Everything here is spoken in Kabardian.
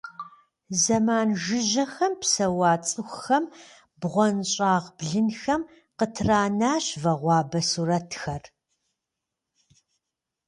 Зэман жыжьэхэм псэуа цӏыхухэм бгъуэнщӏагъ блынхэм къытранащ вагъуэбэ сурэтхэр.